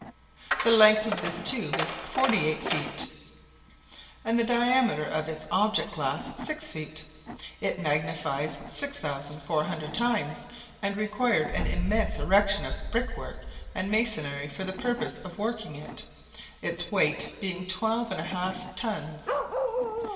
The length of this tube is forty eight feet, and the diameter of its object glass six feet; it magnifies 6,400 times, and required an immense erection of brick work and masonry for the purpose of working it, its weight being twelve and a half tons.